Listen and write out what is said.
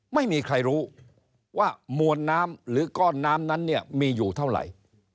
ไม่มีใครรู้ว่ามวลน้ำหรือก้อนน้ำนั้นเนี่ยมีอยู่เท่าไหร่